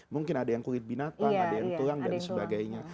mungkin ada yang kulit binatang ada yang tulang dan sebagainya